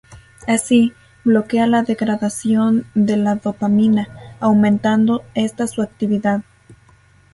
Así, bloquea la degradación de la dopamina, aumentando esta su actividad.